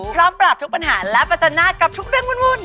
พร้อมปราบทุกปัญหาและประจันหน้ากับทุกเรื่องวุ่น